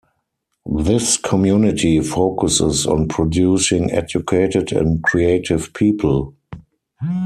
This community focuses on producing educated and creative people.